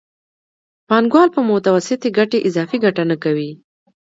پانګوال په متوسطې ګټې اضافي ګټه نه کوي